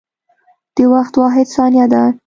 د وخت واحد ثانیه ده.